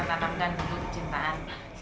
kita membangun buku kecintaan